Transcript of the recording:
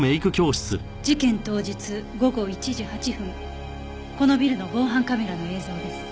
事件当日午後１時８分このビルの防犯カメラの映像です。